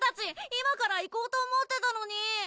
今から行こうと思ってたのに！